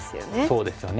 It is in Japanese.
そうですよね。